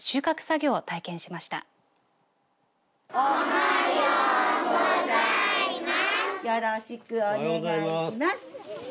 よろしくお願いします。